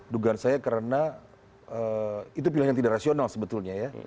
dugaan saya karena itu pilihan yang tidak rasional sebetulnya ya